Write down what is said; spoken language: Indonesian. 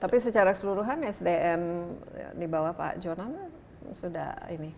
tapi secara keseluruhan sdm di bawah pak jonan sudah ini